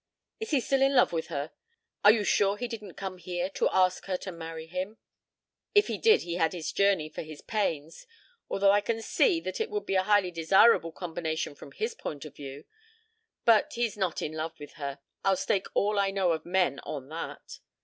"Is he still in love with her? Are you sure he didn't come here to ask her to marry him?" "If he did he had his journey for his pains although I can see that it would be a highly desirable combination from his point of view. But he's not in love with her. I'll stake all I know of men on that."